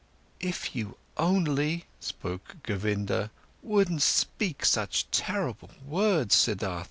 "If you only," spoke Govinda, "wouldn't speak such terrible words, Siddhartha!